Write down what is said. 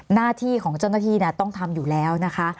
หน้าที่ของเจ้าหน้าที่ต้องทำอยู่แล้วนะคะ